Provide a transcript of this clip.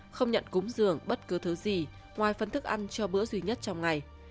không nhận cúng dường bất cứ thứ gì ngoài phân thức ăn cho bữa duy nhất trong ngày